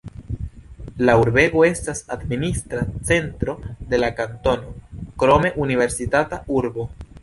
La urbego estas administra centro de la kantono, krome universitata urbo.